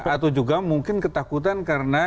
atau juga mungkin ketakutan karena